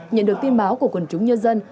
nhận được tin báo của quần chúng nhân dân